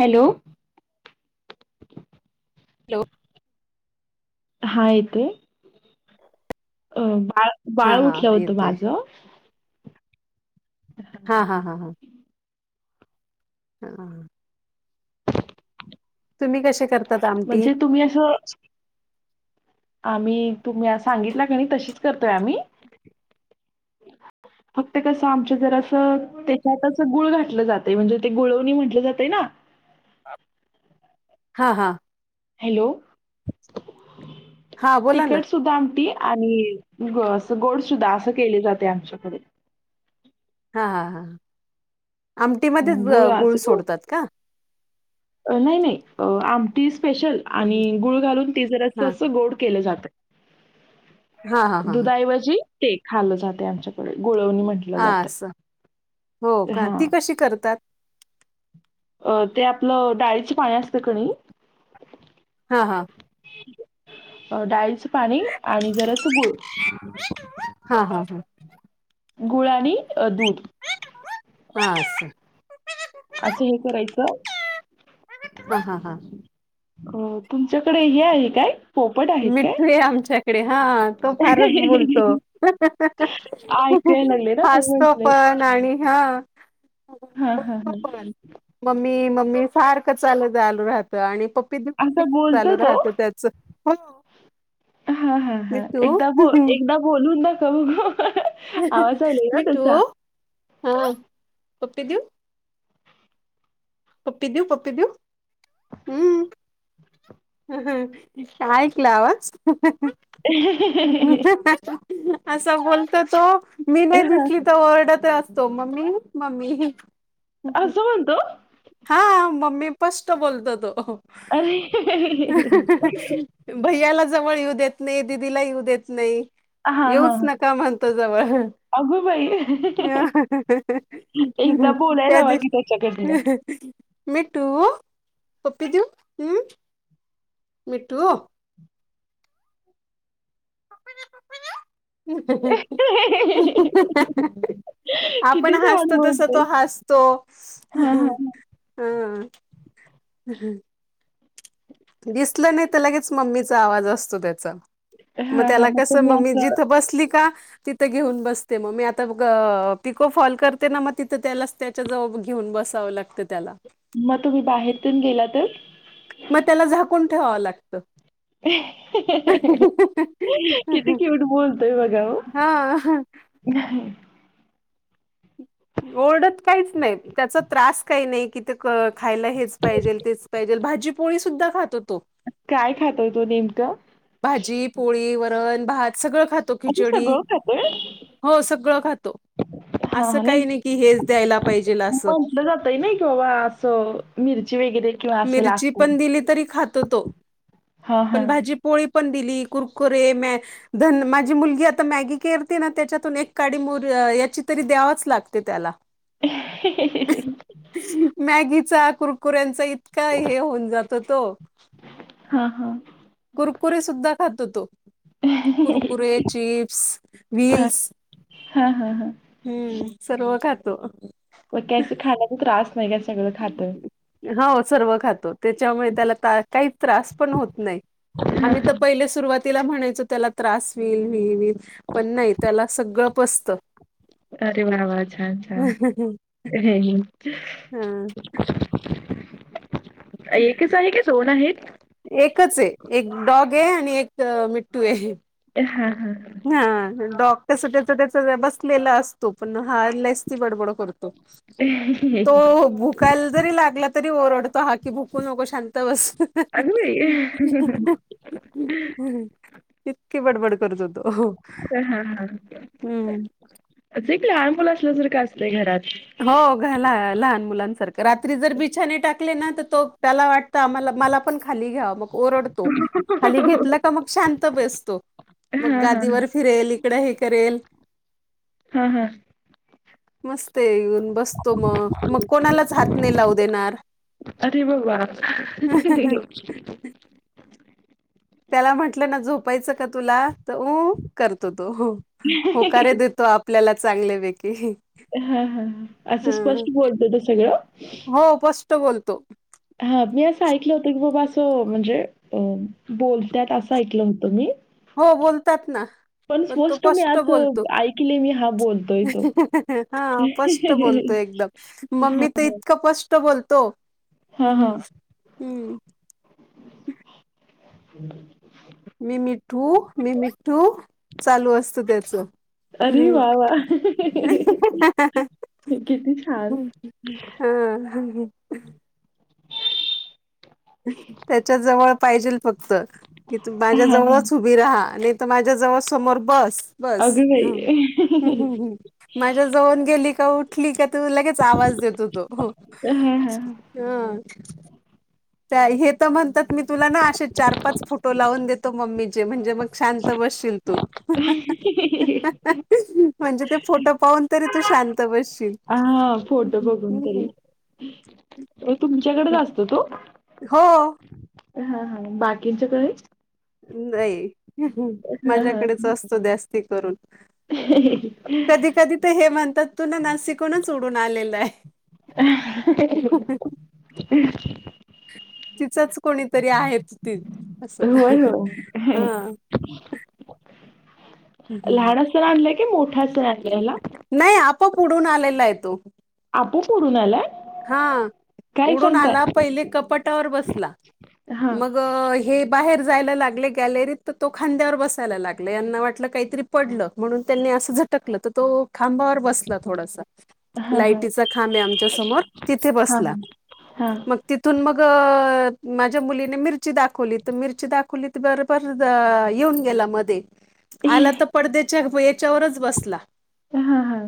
Hello? Hello हा येतोय अ बाळ हा बाळ हा उठलं होतं येतोय माझं. हा हा हा हा हा. तुम्ही कशे कर म्हणजे तुम्ही असं आम्ही तुम्ही सांगितला कणी तशीच करतोय आम्ही, फक्त कसं आमच जरा असं त्याच्यात असं गुळ घातलं जातंय म्हणजे ते गुळवणी म्हटलं जाते ना. हा हा हॅलो! हां बोला ना. तिखट सुद्धा आमटी आणि ग गोड सुद्धा असं केले जाते आमच्याकडे. हा हा हा आमटीमध्येच गुळ सोडतात ना. नाही नाही आमटी स्पेशल आणि हा गुळ घालून ती जरास्ं अस गोड केलं जातं. हा हा हा दुधाऐवजी ते खालं जाते आमच्याकडे. गुळवणी म्हटलं हा जातंय असं हो ते का हा ती कशी करतात. अ ते आपलं डाळीचे पाणी असतं का नई. हा हा अ डाळीच पाणी आणि जरा स गुळ. - [inaudible] हा हा हा गुळ आणि दूध आस [inaudible] असं हे करायचं. हा हा हा अ तुमच्याकडे हे आहे काय? पोपट आहेत काय? मिठू ये आमच्याकडे हा तो फारच बोलतो. ऐकायला लागले ना मी हासतो म्हटले. पण आणि हा- हा हा बोलतो हा पण मम्मी मम्मी सारखं चालू राहतं. आणि पप्पी दिव पप्पी असा दिव बोलतो चालू तो. राहतो त्याच हो- हा हा हा मिठू एकदा एकदा बोलून दाखव आवाज आलाय ना मिठू त्यांचा. हा पप्पी देऊ. पप्पी देऊ पप्पी देऊ हम्म. ऐकला आवाज? असा बोलत तो मी नाही हां, दिसली तर ओरडत असतो. तो मम्मी मम्मी अस म्हणतो तो. हा मम्मी स्पष्ट बोलतो तो. अरे हे हे हे हे भैयाला जवळ येऊ देत नाही दिदीला येऊ देत नाही. हां, हां, येऊच हां. नका म्हणतो जवळ. अगो बाई! हा हा हा एकदा हा बोलायला त्या लावा दीवशी की त्याच्याकडनं. -अं हो अं हं मिठू पप्पी देऊ हम्म मिठू. [unintelligible] आपण किती छान हसतो तस बोलते. तो हसतो हां, हां. अं- अ ह दिसलं नाही तर लगेच मम्मीचा आवाज असतो त्याचा मग हां, हां. त्याला कस तुम्ही मगमी असं जिथं बसली का. तिथे घेऊन बसते मग मी आता ग पिको फॉल करते ना, मग तिथं त्याला त्याच्या जवळ घेऊन बसावं लागत. फक्त त्याला. मग तुम्ही बाहेरतून गेला तर? मग त्याला झाकून ठेवावं लागतं. किती क्यूट बोलतोय बघा हो. [inaudible] ह. [inaudible] ओरडत काहीच नाही. त्याचा त्रास काही नाही. कि ते खायला हेच पाहिजे तेच पाहिजे भाजीपोळी सुद्धा खातो तो. काय खातोय. तो नेमकं? भाजी, पोळी, वरण, भात सगळं खात असं खिचडी सगळं खातोय? हो सगळं खातो. हां, असं हां. काही नाही, की हेच द्यायला पाहिजेल असं. पहिले नाही का, बाबा असं मिरची वगैरे किंवा असं मिरची लागतं. पण दिली तरी खातो तो हां, पण हां. भाजी पोळी पन दिली कुरकुरे म न माझी मुलगी, आता मॅगी करते ना, त्याच्यातून एक काडी मुर याची तरी द्यावाच लागते. लागते त्याला. [inaudible] मॅगीचा, कुरकुऱ्यांचा, इतका हे होऊन जात होतो. हा-हा. कुरकुरी सुद्धा खातो. तो कुरकुरे, चिप्स, व्हील्स. हा- हा- हा. हम्म. सर्व खातो. मग काही असं खाण्याचा त्रास वगैरे सगळं. खातोय? हो. सर्व खातो त्याच्यामुळे, त्याला काही त्रास पण होत नाही. हां, आम्ही त हां. पहिले सुरुवात तिला म्हणायचं, त्याला त्रास होईल विल विल विल पण नाही. त्याला सगळं पस्त. अरे... वा.. -वा... छान.. छान.. [unintelligible] [inaudible] हा..... एकच आहे. कि दोन आहेत? एकच आहे. एक डॉग आहे, आणि एक मिट्टू आहे. हा... - हा. हा, डॉक्टर त्याच त्याचा बसलेला असतो. पण हार लस ती बडबड कर तो. तो भुकायला जरी लागला तरी ओरडतो, हा की भुकू नको शांत बस. चांगला आहे. हम्म.... इतकी बडबड करततो. हा -हा - हा एक लहान मुल असलं जर का असतय घरात. हो, घाला लहान मुलांसारखं, रात्री जर बिछाने टाकले ना, तर तो त्याला वाट ला, मला पण खाली घ्याव, मग ओरडतो. खाली घेतलं हां, का, मग शांत बसतो. मग, हां, हां. गादीवर फिरेल. इकडं हे करेल. हा... -हा... मस्त येऊन बसतो. मग मग कोणालाच हातने लावू देणार. अरे... बाबा [inaudible] त्याला, म्हंटलं ना झोपायचं का तुला? तर, ऊ करतो तो. हो होकारे देतो. आपल्याला चांगल्यापैकी. हा... हा... असं हं. स्पष्ट बोलत त सगळं. हो... पस् बोलतो...... हा... मी असं ऐकलं होतं, की बाबा असं म्हणजे अ... बोलतत असं ऐकलं होतं. मी हो.. बोलतात.. ना. पण, तो मी स्पष्ट असं बोलतो. ऐकले मी हा बोलतोय तो. हा स्पष्ट बोलतो. एकदम मम्मी, तर इतकं स्पष्ट बोलतो.... हां, हां. हम्म हम्.... मी मिठू, मी मिठू, चालू असत. त्याच अरे वाह, वाह! किती छान. ह........ त्याच्या जवळ पाहिजेल फक्त कि माझ्या हां, हां. जवळच विरहा नाय तर माझ्या जवळ समोर बस बस अगं बाई! माझ्या जऊन गेली का उठली का तू लगेच आवाज देतो तो हा हा हा हे तर म्हणतात. मी तुला ना असे, चार पाच, फोटो लावून देतो. मम्मी म्हणजे मग शांत बसशील तू हि हि म्हणजे ते फोटो पाहून तरी तू शांत बसशील हा फोटो बघून तरी तो तुमच्याकडे असतो तो हो हा हा बाकीच्या कडे नाही हा हा माझ्याकडेच असतो जास्ती करून कधी कधी तर हे म्हणतात तू ना नासिकूनच उडून आलेल [unintelligible] तिचंच कोणीतरी आहेच ती अस हा ह हम् हमम सण आणलंय की मोठा सण आणय हला नाही आपोआप उडून आलेला आहे तो आपोआप उडून आलाय हा काय उडून आला सांगताय पहिले कपाटावर बसला हा मग हे बाहेर जायला लागले गॅलरीत तर तो खांद्यावर बसायला लागले यांना वाटलं काहीतरी पडलं म्हणून त्यांनी असं झटकलं तर तो खांबावर बसला थोडासा हा हा लायटीचा खांब आमच्या समोर तिथे हा बसला हा हा मग तिथून मग माझ्या मुलीने मिरची दाखवली तर मिरची दाखवली तर स्पर्ध येऊन गेला मध्ये आला तर पडद्याच्या याच्यावरच बसला हा हा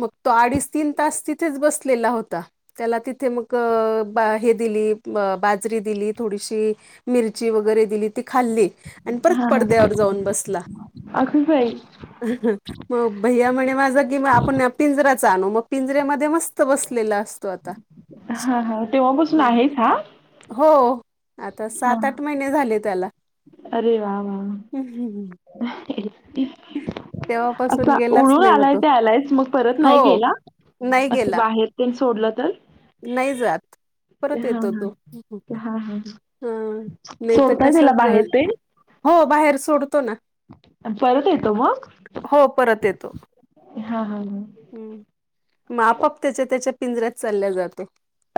मग तो अडीच तीन तास तिथेच बसलेला हो ता त्याला तिथे मग बा हे दिली बाजरी दिली थोडीशी मिरची वगैरे दिली ती खाल्ली आणि परत हा हा पडद्यावर जाऊन बसला अगं बाई मग भैया म्हणे माझ की आपण पिंजराच आणू मग पिंजऱ्यामध्ये मस्त बसल लेलास्ट. हा हा तेव्हापसून हं. आहेच हा? हो आता हा सात आठ महिने झाले त्याला. अरे वा वा वा हम् हमं ह [unintelligible] तेव्हापासून आता गेलाच उळून नाही मग आलाय तो ते आलायस मग परत नाही हो गेला? नाही असं गेला बाहेर तेन सोडलं तर? नाही जात परत हा येतो तो. हा हा हा ह नाही तर सोडताय कसं त्याला बाहेर तेन हो बाहेर सोडतो ना. अन परत येतो मग? हो परत येतो. हा हा हम्म हम् मग आपाप त्याचा त्याच्या पिंजऱ्यात चालल्या जातो.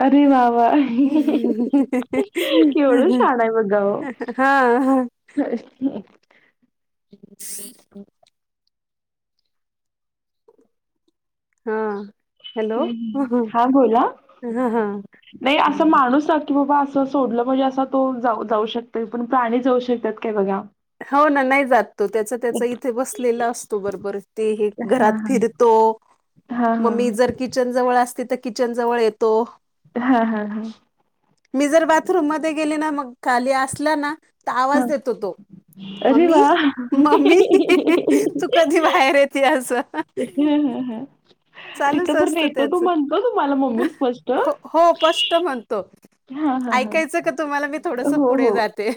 अरे वा वा केवढं [unintelligible] छान आहे बघा ओ हा हा [unintelligible] [unintelligible] हा हॅलो ह् ह हा बोला हा नाही असं माणूस की बाबा असं सोडलं म्हणजे असा तो जाऊ शकत पण प्राणी जाऊ शकतात काय बघा. हो ना नाही जात तो त्याचा त्याचा इथे बसलेला असतो बरोबर ते हे हा घरात हा फिरत तो हा मग हा मी जर किचन जवळ असते तर किचन जवळ येतो. हा हा हा मी जर बाथरूम मधे गेली ना मग खाली असला ना तर हा आवाज देतो तो. अरे मम्मी वा हा मम्मी तू कधी बाहेर येते अस. हम् ह ह ह चालूच असत त्याच मम्मी स्पष्ट हो स्ष्ट म्हणतो. हा हा हा ऐकायचं का तुम्हाला मी थोडस हो पुढे हो जाते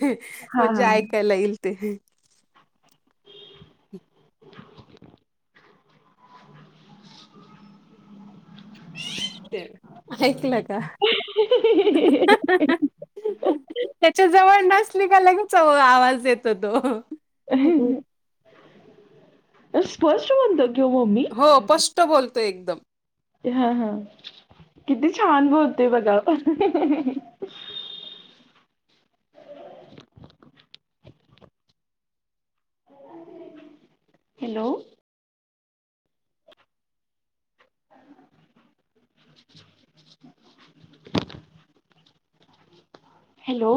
हां, म्हणजे हां. ऐकायला येईल ते. ते ऐकलं का? [unintelligible] त्याच्या जवळ नसली का लगेच आवाज देतो तो. हं हं. हम् स्पष्ट म्हणतो की ओ मम्मी. हो पष्ट बोलतो एकदम. हा हा किती छान बोलते बघा. [unintelligible] Hello [unintelligible] hello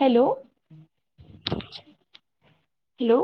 hello hello